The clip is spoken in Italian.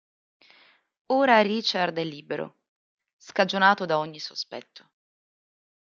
Ora Richard è libero, scagionato da ogni sospetto.